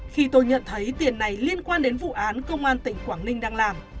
khi tôi nhận thấy tiền này liên quan đến vụ án công an tỉnh quảng ninh đang làm